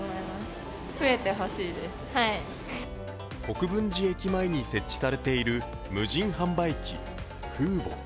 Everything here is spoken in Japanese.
国分寺駅前に設置されている無人販売機・Ｆｕｕｂｏ。